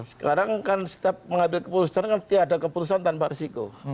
sekarang kan setiap mengambil keputusan kan setiap ada keputusan tanpa risiko